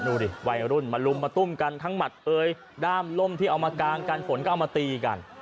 ดูดิวัยรุ่นมาลุมมาตุ้มกันทั้งหมัดเอยด้ามล่มที่เอามากางกันฝนก็เอามาตีกัน